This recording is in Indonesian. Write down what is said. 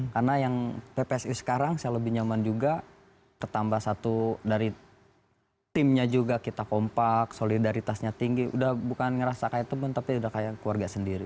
karena yang bpsu sekarang saya lebih nyaman juga ketambah satu dari timnya juga kita kompak solidaritasnya tinggi udah bukan ngerasa kaya temen tapi udah kaya keluarga sendiri